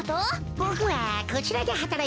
ボクはこちらではたらいています。